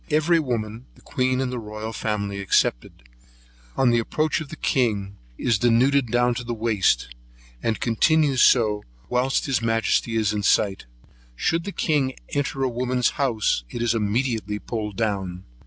Every woman, the queen and royal family excepted, on the approach of the king, is denuded down to the waist, and continues so whilst his majesty is in sight. Should the king enter a woman's house, it is immediately pulled down.